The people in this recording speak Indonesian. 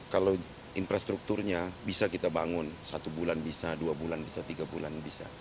kalau infrastrukturnya bisa kita bangun satu bulan bisa dua bulan bisa tiga bulan bisa